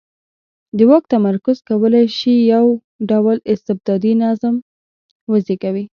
د واک تمرکز کولای شي یو ډ ول استبدادي نظام وزېږوي.